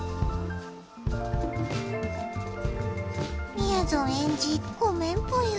みやぞんエンジごめんぽよ。